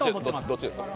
どっちですか？